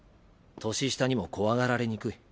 年下にも怖がられにくい。